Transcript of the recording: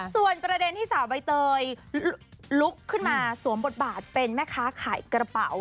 ส่วนประเด็นที่สาวใบเตยลุกขึ้นมาสวมบทบาทเป็นแม่ค้าขายกระเป๋า